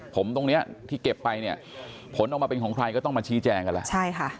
ผมตรงนี้ที่เก็บไปผลออกมาเป็นของใครก็ต้องมาชี้แจงกันละ